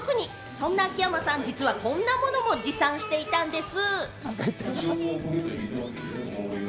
そんな秋山さん、実はこんなものも持参していたんです。